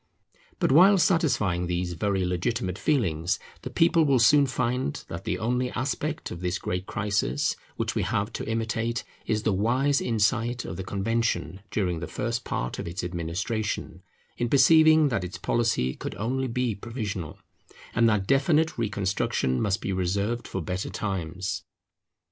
But while satisfying these very legitimate feelings, the people will soon find that the only aspect of this great crisis which we have to imitate is the wise insight of the Convention during the first part of its administration, in perceiving that its policy could only be provisional, and that definite reconstruction must be reserved for better times.